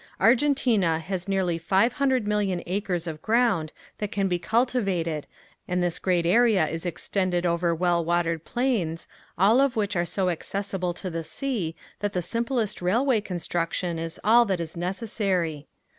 Argentina has nearly five hundred million acres of ground that can be cultivated and this great area is extended over well watered plains, all of which are so accessible to the sea that the simplest railway construction is all that is necessary.